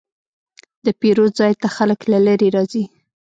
د پیرود ځای ته خلک له لرې راځي.